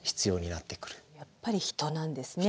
やっぱり人なんですね